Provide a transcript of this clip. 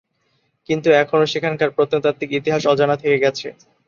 কিন্তু এখনো সেখানকার প্রত্নতাত্ত্বিক ইতিহাস অজানা থেকে গেছে।